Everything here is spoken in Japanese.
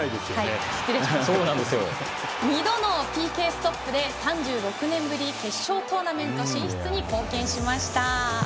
２度のＰＫストップで３６年ぶりの決勝トーナメント進出に貢献しました。